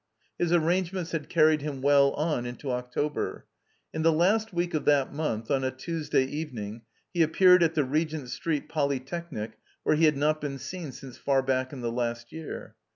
His arrangements had carried him well on into October. In the last week of that month, on a Tuesday evening, he appeared at the Regent Street Polytechnic, where he had not been seen since far back in the last year.